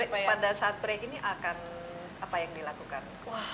tapi pada saat break ini akan apa yang dilakukan